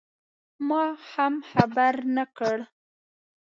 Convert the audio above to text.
ما هم خبر نه کړ.